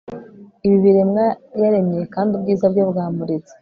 ibi biremwa yaremye, kandi ubwiza bwe bwamuritse